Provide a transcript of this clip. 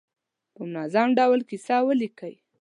په منظم ډول کیسه ولیکي.